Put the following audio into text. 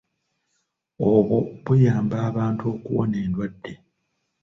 Obwo buyamba abantu okuwona endwadde.